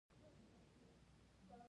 د ریګ دښتې یوه طبیعي ځانګړتیا ده.